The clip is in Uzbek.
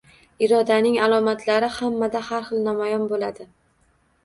Irodaning alomatlari hammada har xil namoyon bo‘ladi.